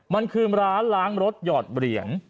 มันคือร้านล้างรถหยอดเหรียญ